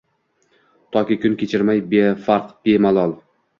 Toki kun kechirmay befarq, bemalol